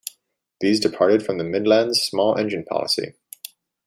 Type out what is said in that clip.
These departed from the Midland's small engine policy.